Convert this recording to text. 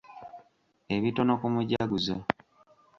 Ebitono ku mujaguzo.